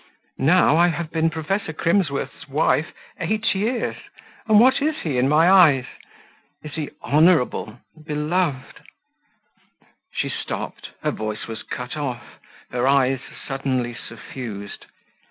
Now, I have been Professor Crimsworth's wife eight years, and what is he in my eyes? Is he honourable, beloved ?" She stopped, her voice was cut off, her eyes suddenly suffused.